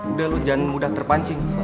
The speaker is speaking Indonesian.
udah lo jangan mudah terpancing